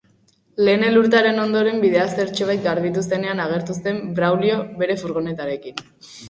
Lehen elurtearen ondoren, bidea zertxobait garbitu zenean agertu zen Braulio bere furgonetarekin.